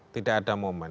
tidak ada momen